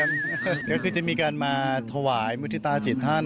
แล้วคือจะมีการมาถ่วายมหัวที่ตาจิตท่าน